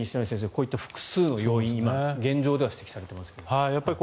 こういった複数の要因が現状では指摘されていますが。